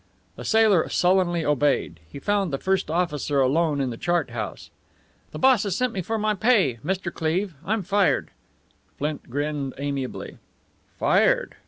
The sailor sullenly obeyed. He found the first officer alone in the chart house. "The boss has sent me for my pay, Mr. Cleve. I'm fired." Flint grinned amiably. "Fired?